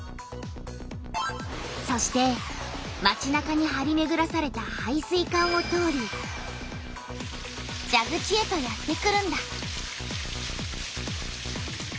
そしてまちなかにはりめぐらされた配水管を通りじゃぐちへとやってくるんだ。